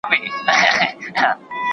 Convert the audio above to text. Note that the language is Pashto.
د فشار سرچینه باید وموندل شي.